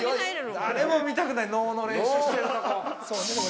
◆誰も見たくない、能の練習してるとこ。